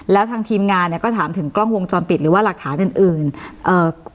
แล้วทางทีมงานเนี้ยก็ถามถึงกล้องวงจรปิดหรือว่าหลักฐานอื่นอื่นเอ่อ